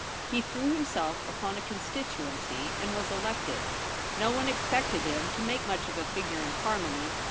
He threw himself upon a constituency, and was elected. No one expected him to make much of a figure in Parliament.